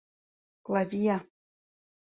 Клавия!